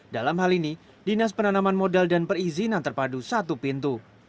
dalam hal ini dinas penanaman modal dan perizinan terpadu satu pintu